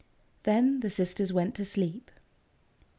Then the sisters went to sleep.